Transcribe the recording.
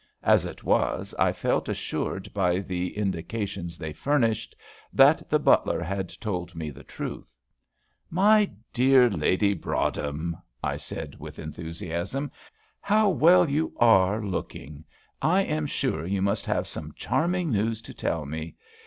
As it was, I felt assured by the indications they furnished, that the butler had told me the truth. "My dear Lady Broadhem," I said, with enthusiasm, "how well you are looking! I am sure you must have some charming news to tell me.